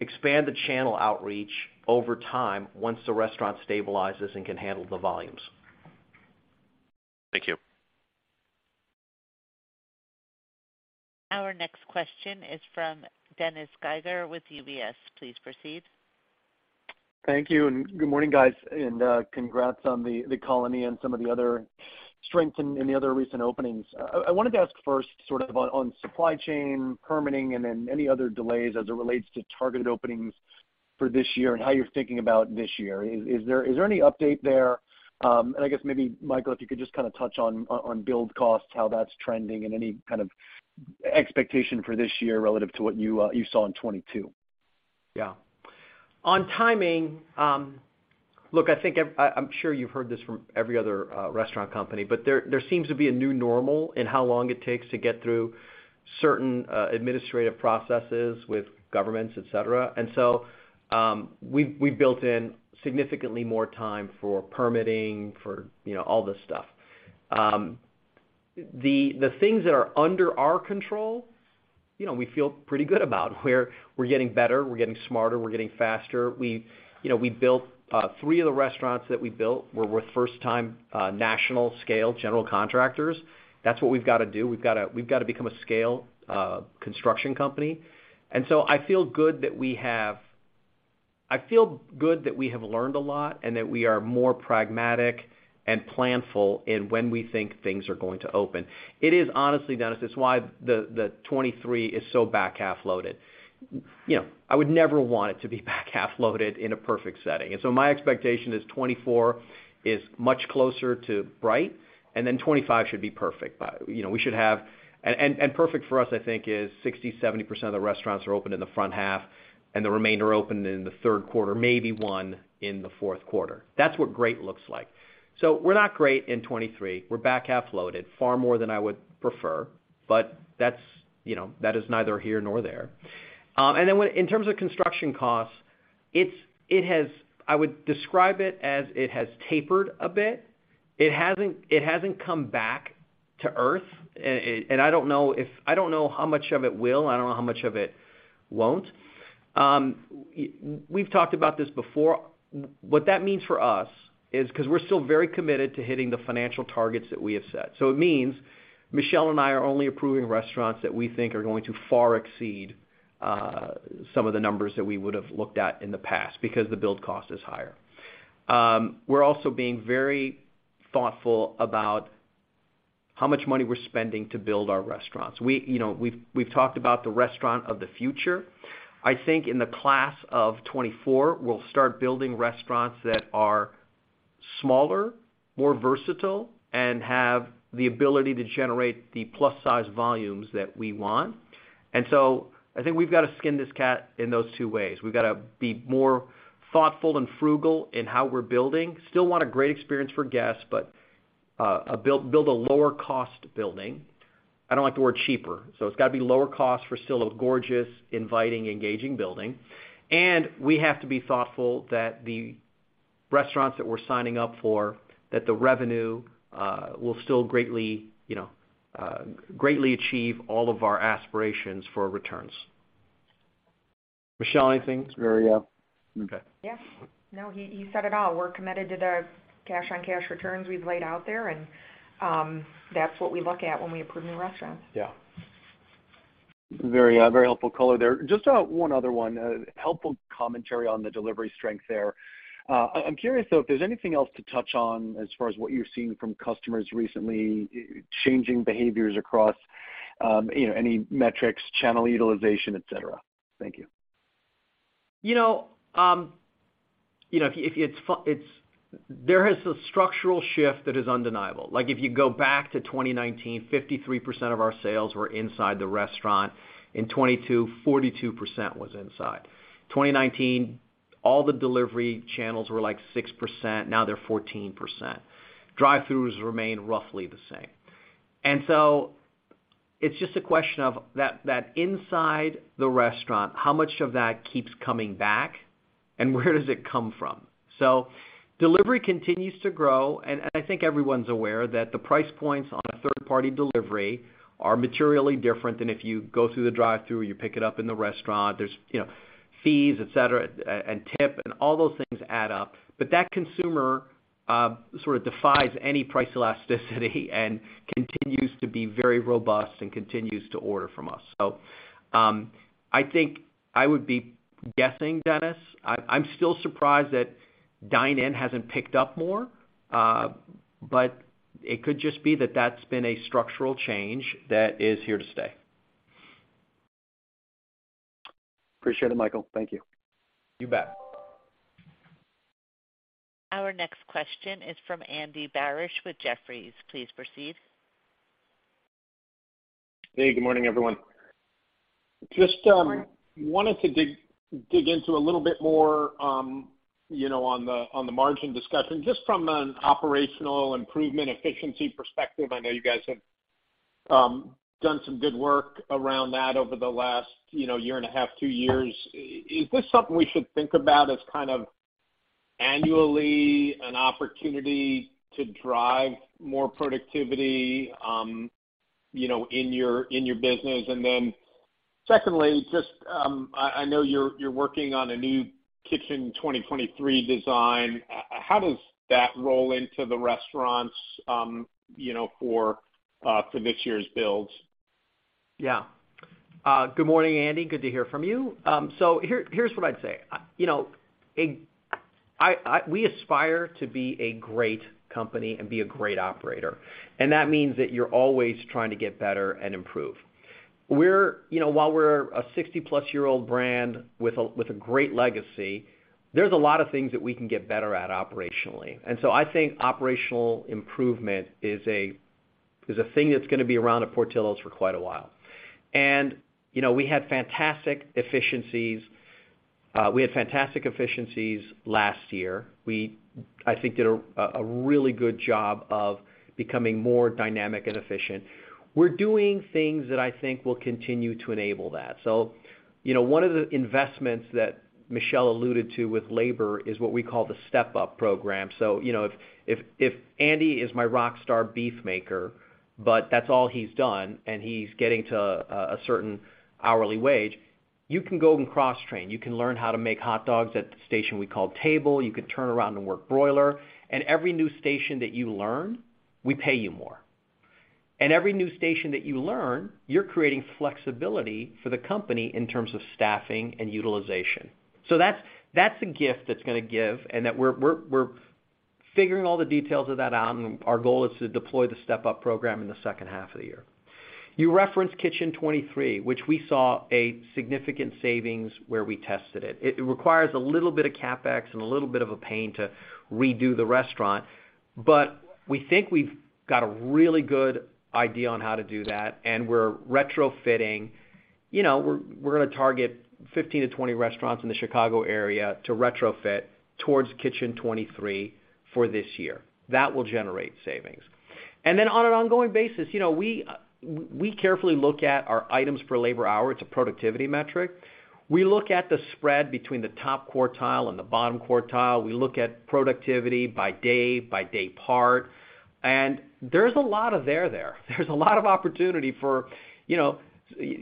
expand the channel outreach over time once the restaurant stabilizes and can handle the volumes. Thank you. Our next question is from Dennis Geiger with UBS. Please proceed. Thank you. Good morning, guys, and congrats The Colony and some of the other strengths in the other recent openings. I wanted to ask first sort of on supply chain permitting and then any other delays as it relates to targeted openings for this year and how you're thinking about this year. Is there any update there? I guess maybe, Michael, if you could just kinda touch on build costs, how that's trending, and any kind of expectation for this year relative to what you saw in 2022. On timing, look, I think I'm sure you've heard this from every other restaurant company, but there seems to be a new normal in how long it takes to get through certain administrative processes with governments, et cetera. We've built in significantly more time for permitting, for, you know, all this stuff. The things that are under our control, you know, we feel pretty good about, where we're getting better, we're getting smarter, we're getting faster. We, you know, we built, three of the restaurants that we built were with first-time national scale general contractors. That's what we've gotta do. We've gotta become a scale construction company. I feel good that we have... I feel good that we have learned a lot and that we are more pragmatic and planful in when we think things are going to open. It is honestly, Dennis, it's why the 2023 is so back half loaded. You know, I would never want it to be back half loaded in a perfect setting. My expectation is 2024 is much closer to bright, and then 2025 should be perfect. You know, we should have And perfect for us, I think, is 60%, 70% of the restaurants are open in the front half and the remainder open in the third quarter, maybe one in the fourth quarter. That's what great looks like. We're not great in 2023. We're back half loaded far more than I would prefer, but that's, you know, that is neither here nor there. Then in terms of construction costs, I would describe it as it has tapered a bit. It hasn't come back to earth. I don't know how much of it will, I don't know how much of it won't. We've talked about this before. What that means for us is, 'cause we're still very committed to hitting the financial targets that we have set. It means Michelle and I are only approving restaurants that we think are going to far exceed some of the numbers that we would've looked at in the past because the build cost is higher. We're also being very thoughtful about how much money we're spending to build our restaurants. We, you know, we've talked about the restaurant of the future. I think in the class of 2024, we'll start building restaurants that are smaller, more versatile, and have the ability to generate the plus-size volumes that we want. I think we've got to skin this cat in those two ways. We've gotta be more thoughtful and frugal in how we're building. Still want a great experience for guests, but a build a lower cost building. I don't like the word cheaper, so it's gotta be lower cost for still a gorgeous, inviting, engaging building. We have to be thoughtful that the restaurants that we're signing up for, that the revenue will still greatly, you know, greatly achieve all of our aspirations for returns. Michelle, anything? It's very. Okay. Yes. No, he said it all. We're committed to the cash-on-cash returns we've laid out there, and that's what we look at when we approve new restaurants. Yeah. Very helpful color there. Just one other one. Helpful commentary on the delivery strength there. I'm curious though, if there's anything else to touch on as far as what you're seeing from customers recently changing behaviors across, you know, any metrics, channel utilization, et cetera. Thank you. You know, you know, if there is a structural shift that is undeniable. Like, if you go back to 2019, 53% of our sales were inside the restaurant. In 2022, 42% was inside. 2019, all the delivery channels were, like, 6%, now they're 14%. Drive-throughs remain roughly the same. It's just a question of that inside the restaurant, how much of that keeps coming back and where does it come from? Delivery continues to grow, and I think everyone's aware that the price points on a third-party delivery are materially different than if you go through the drive-through or you pick it up in the restaurant. There's, you know, fees, et cetera, and tip, and all those things add up. That consumer, sort of defies any price elasticity and continues to be very robust and continues to order from us. I think I would be guessing, Dennis. I'm still surprised that dine-in hasn't picked up more, but it could just be that that's been a structural change that is here to stay. Appreciate it, Michael. Thank you. You bet. Our next question is from Andy Barish with Jefferies. Please proceed. Hey, good morning, everyone. Good morning. Just wanted to dig into a little bit more, you know, on the margin discussion. Just from an operational improvement efficiency perspective, I know you guys have done some good work around that over the last, you know, year and a half, two years. Is this something we should think about as kind of annually an opportunity to drive more productivity, you know, in your business? Secondly, just, I know you're working on a new Kitchen 23 design. How does that roll into the restaurants, you know, for this year's builds? Good morning, Andy. Good to hear from you. Here, here's what I'd say. You know, we aspire to be a great company and be a great operator, that means that you're always trying to get better and improve. We're, you know, while we're a 60-plus-year-old brand with a great legacy, there's a lot of things that we can get better at operationally. I think operational improvement is a thing that's gonna be around at Portillo's for quite a while. You know, we had fantastic efficiencies. We had fantastic efficiencies last year. We, I think, did a really good job of becoming more dynamic and efficient. We're doing things that I think will continue to enable that. You know, one of the investments that Michelle alluded to with labor is what we call the step-up program. You know, if Andy is my rock star beef maker, but that's all he's done and he's getting to a certain hourly wage, you can go and cross-train. You can learn how to make hot dogs at the station we call table. You can turn around and work broiler. Every new station that you learn, we pay you more. Every new station that you learn, you're creating flexibility for the company in terms of staffing and utilization. That's a gift that's gonna give and that we're figuring all the details of that out, and our goal is to deploy the step-up program in the second half of the year. You referenced Kitchen 23, which we saw a significant savings where we tested it. It requires a little bit of CapEx and a little bit of a pain to redo the restaurant. We think we've got a really good idea on how to do that, and we're retrofitting. You know, we're gonna target 15-20 restaurants in the Chicago area to retrofit towards Kitchen 23 for this year. That will generate savings. Then on an ongoing basis, you know, we carefully look at our items per labor hour. It's a productivity metric. We look at the spread between the top quartile and the bottom quartile. We look at productivity by day, by day part, and there's a lot of there. There's a lot of opportunity for, you know...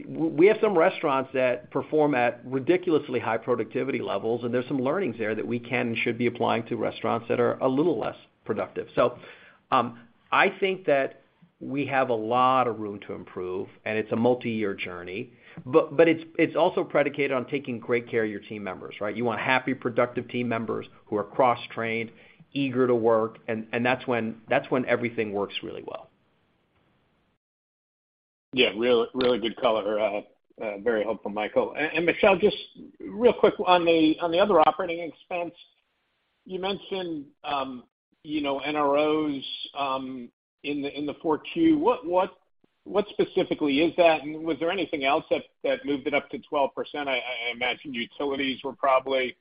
We have some restaurants that perform at ridiculously high productivity levels, and there's some learnings there that we can and should be applying to restaurants that are a little less productive. I think that we have a lot of room to improve, and it's a multi-year journey, but it's also predicated on taking great care of your team members, right? You want happy, productive team members who are cross-trained, eager to work, and that's when everything works really well. Yeah, really good color. very helpful, Michael. Michelle, just real quick on the other operating expense, you mentioned, you know, NROs in the 42. What specifically is that? Was there anything else that moved it up to 12%? I imagine utilities were probably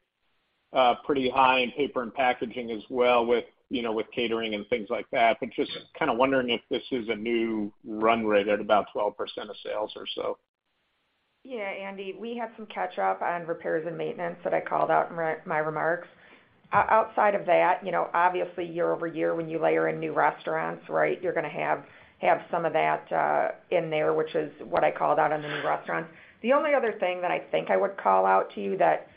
pretty high in paper and packaging as well with, you know, with catering and things like that. Just kind of wondering if this is a new run rate at about 12% of sales or so. Andy, we had some catch up on repairs and maintenance that I called out in my remarks. Outside of that, you know, obviously year-over-year when you layer in new restaurants, right, you're gonna have some of that in there, which is what I called out on the new restaurant. The only other thing that I think I would call out to you that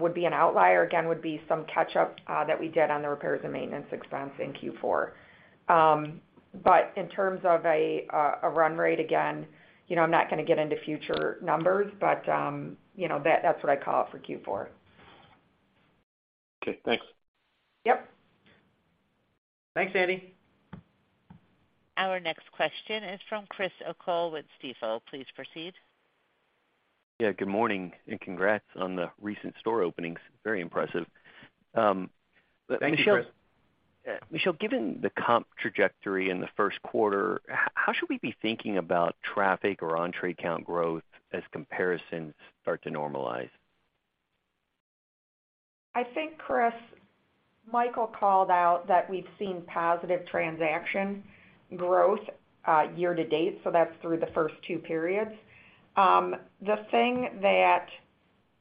would be an outlier, again, would be some catch-up that we did on the repairs and maintenance expense in Q4. In terms of a run rate, again, you know, I'm not gonna get into future numbers, but, you know, that's what I call out for Q4. Okay, thanks. Yep. Thanks, Andy. Our next question is from Chris O'Cull with Stifel. Please proceed. Yeah, good morning and congrats on the recent store openings. Very impressive. Thank you, Chris. Michelle, given the comp trajectory in the first quarter, how should we be thinking about traffic or entree count growth as comparisons start to normalize? I think, Chris, Michael called out that we've seen positive transaction growth, year-to-date, so that's through the first two periods. The thing that,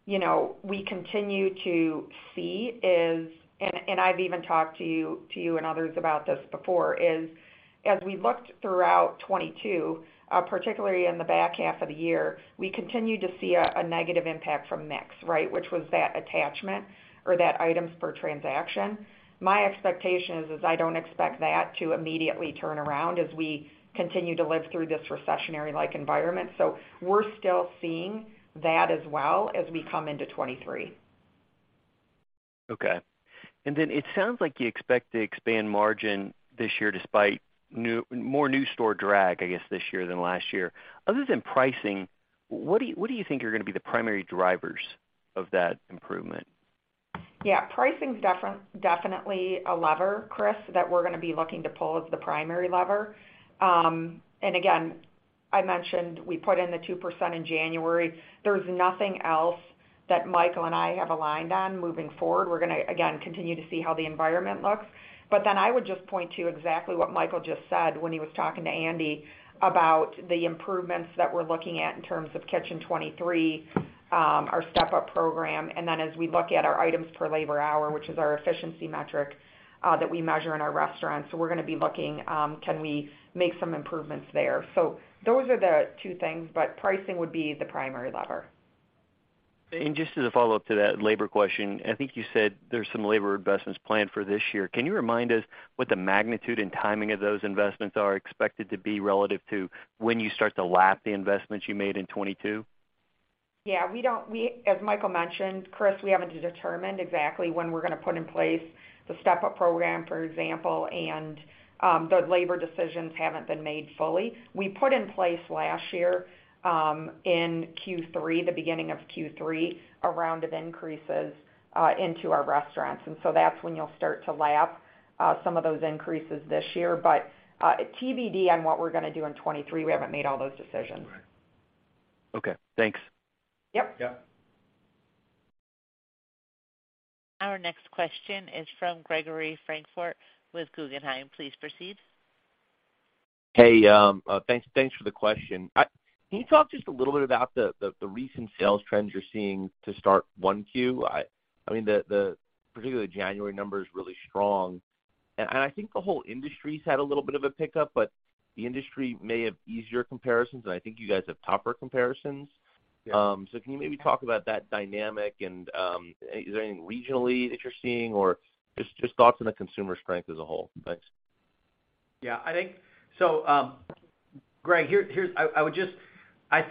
you know, we continue to see is, and I've even talked to you and others about this before, is as we looked throughout 2022, particularly in the back half of the year, we continued to see a negative impact from mix, right? Which was that attachment or that items per transaction. My expectation is, I don't expect that to immediately turn around as we continue to live through this recessionary-like environment. We're still seeing that as well as we come into 2023. Okay. Then it sounds like you expect to expand margin this year despite more new store drag, I guess, this year than last year. Other than pricing, what do you think are gonna be the primary drivers of that improvement? Pricing's definitely a lever, Chris, that we're gonna be looking to pull as the primary lever. Again, I mentioned we put in the 2% in January. There's nothing else that Michael and I have aligned on moving forward. We're gonna, again, continue to see how the environment looks. I would just point to exactly what Michael just said when he was talking to Andy about the improvements that we're looking at in terms of Kitchen 23, our step-up program, and then as we look at our items per labor hour, which is our efficiency metric, that we measure in our restaurants. We're gonna be looking, can we make some improvements there. Those are the two things, but pricing would be the primary lever. Just as a follow-up to that labor question, I think you said there's some labor investments planned for this year. Can you remind us what the magnitude and timing of those investments are expected to be relative to when you start to lap the investments you made in 2022? Yeah, we haven't determined exactly when we're gonna put in place the step-up program, for example, and the labor decisions haven't been made fully. We put in place last year, in Q3, the beginning of Q3, a round of increases into our restaurants, and so that's when you'll start to lap some of those increases this year. TBD on what we're gonna do in 2023. We haven't made all those decisions. That's right. Okay, thanks. Yep. Yeah. Our next question is from Gregory Francfort with Guggenheim. Please proceed. Hey, thanks for the question. Can you talk just a little bit about the recent sales trends you're seeing to start 1Q? I mean, the particularly January number is really strong. I think the whole industry's had a little bit of a pickup, but the industry may have easier comparisons, and I think you guys have tougher comparisons. Yeah. Can you maybe talk about that dynamic and, is there anything regionally that you're seeing or just thoughts on the consumer strength as a whole? Thanks. Yeah, I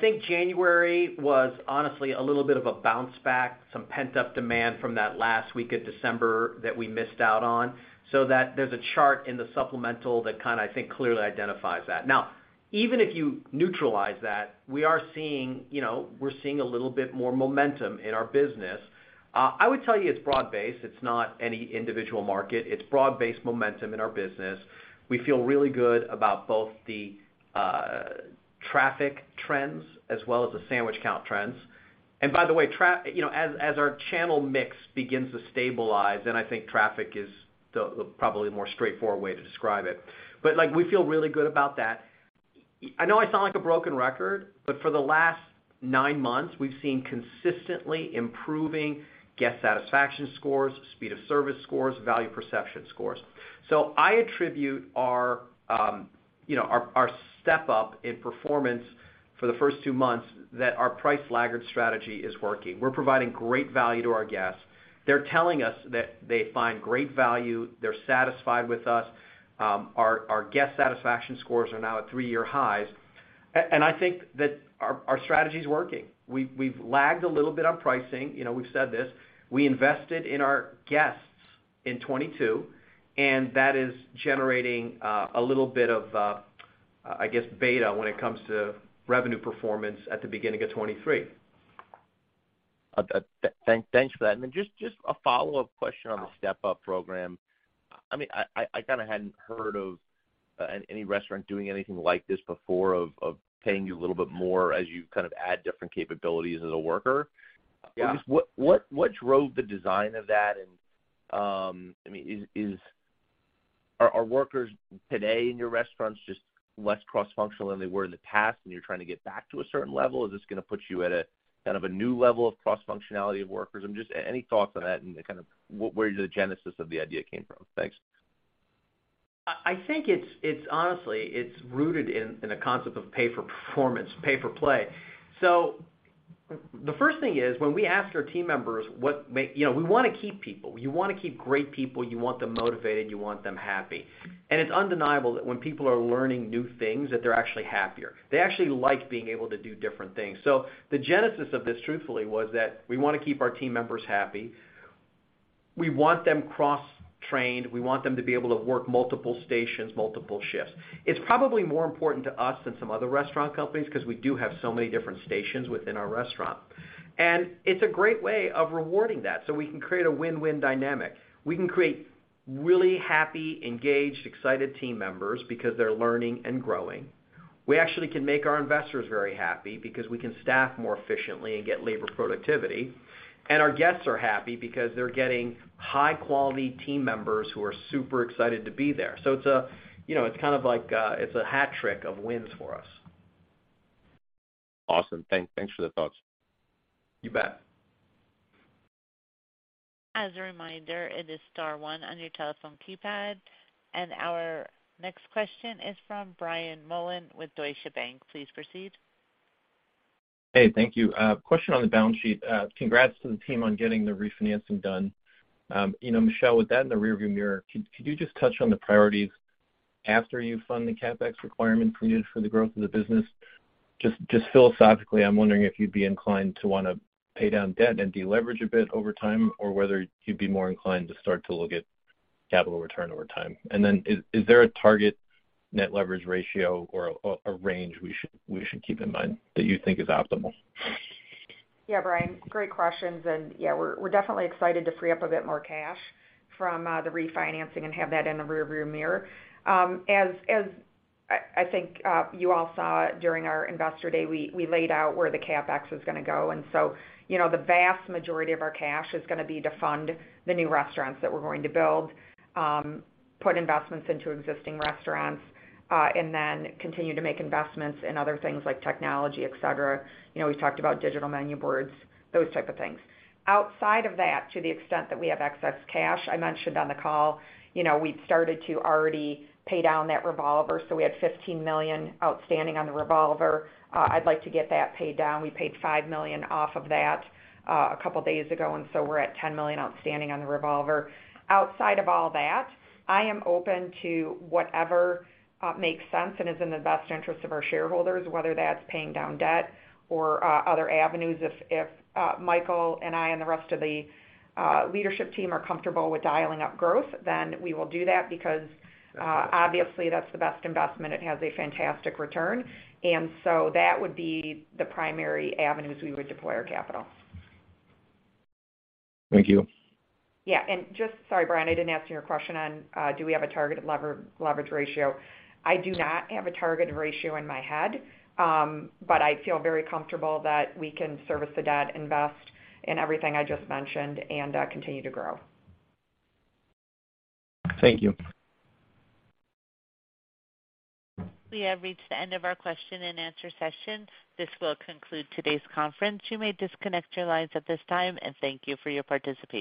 think January was honestly a little bit of a bounce back, some pent-up demand from that last week of December that we missed out on, that there's a chart in the supplemental that kind of I think clearly identifies that. Now, even if you neutralize that, we are seeing, you know, a little bit more momentum in our business. I would tell you it's broad-based. It's not any individual market. It's broad-based momentum in our business. We feel really good about both the traffic trends as well as the sandwich count trends. By the way, you know, as our channel mix begins to stabilize, I think traffic is the probably more straightforward way to describe it. Like, we feel really good about that. I know I sound like a broken record. For the last nine months, we've seen consistently improving guest satisfaction scores, speed of service scores, value perception scores. I attribute our, you know, our step-up in performance for the first two months that our price laggard strategy is working. We're providing great value to our guests. They're telling us that they find great value. They're satisfied with us. Our guest satisfaction scores are now at three-year highs. I think that our strategy is working. We've lagged a little bit on pricing. You know, we've said this. We invested in our guests in 2022, and that is generating a little bit of, I guess beta when it comes to revenue performance at the beginning of 2023. Thanks for that. Then just a follow-up question on the step-up program. I mean, I kind of hadn't heard of any restaurant doing anything like this before of paying you a little bit more as you kind of add different capabilities as a worker. Yeah. Just what drove the design of that? I mean, are workers today in your restaurants just less cross-functional than they were in the past, and you're trying to get back to a certain level? Is this gonna put you at a kind of a new level of cross-functionality of workers? Just any thoughts on that and kind of where the genesis of the idea came from? Thanks. I think it's honestly, it's rooted in a concept of pay for performance, pay for play. The first thing is when we ask our team members, you know, we wanna keep people. You wanna keep great people. You want them motivated, you want them happy. It's undeniable that when people are learning new things, that they're actually happier. They actually like being able to do different things. The genesis of this, truthfully, was that we wanna keep our team members happy. We want them cross-trained. We want them to be able to work multiple stations, multiple shifts. It's probably more important to us than some other restaurant companies 'cause we do have so many different stations within our restaurant. It's a great way of rewarding that so we can create a win-win dynamic. We can create really happy, engaged, excited team members because they're learning and growing. We actually can make our investors very happy because we can staff more efficiently and get labor productivity. Our guests are happy because they're getting high quality team members who are super excited to be there. It's a, you know, it's kind of like, it's a hat trick of wins for us. Awesome. Thanks for the thoughts. You bet. As a reminder, it is star one on your telephone keypad. Our next question is from Brian Mullan with Deutsche Bank. Please proceed. Hey, thank you. Question on the balance sheet. Congrats to the team on getting the refinancing done. You know, Michelle, with that in the rear view mirror, could you just touch on the priorities after you fund the CapEx requirement needed for the growth of the business? Just philosophically, I'm wondering if you'd be inclined to wanna pay down debt and deleverage a bit over time, or whether you'd be more inclined to start to look at capital return over time. Is there a target net leverage ratio or a range we should keep in mind that you think is optimal? Yeah, Brian, great questions. We're definitely excited to free up a bit more cash from the refinancing and have that in the rear view mirror. As I think you all saw during our investor day, we laid out where the CapEx is gonna go. You know, the vast majority of our cash is gonna be to fund the new restaurants that we're going to build, put investments into existing restaurants, and then continue to make investments in other things like technology, et cetera. You know, we've talked about digital menu boards, those type of things. Outside of that, to the extent that we have excess cash, I mentioned on the call, you know, we'd started to already pay down that revolver. We had $15 million outstanding on the revolver. I'd like to get that paid down. We paid $5 million off of that a couple days ago, we're at $10 million outstanding on the revolver. Outside of all that, I am open to whatever makes sense and is in the best interest of our shareholders, whether that's paying down debt or other avenues. If Michael and I and the rest of the leadership team are comfortable with dialing up growth, then we will do that because obviously that's the best investment. It has a fantastic return. That would be the primary avenues we would deploy our capital. Thank you. Yeah, just, sorry, Brian, I didn't answer your question on, do we have a targeted leverage ratio. I do not have a targeted ratio in my head, but I feel very comfortable that we can service the debt, invest in everything I just mentioned and continue to grow. Thank you. We have reached the end of our question-and-answer session. This will conclude today's conference. You may disconnect your lines at this time, and thank you for your participation.